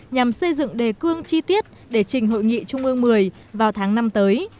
nhằm xây dựng đề cương chi tiết để trình hội nghị trung ương một mươi vào tháng năm tới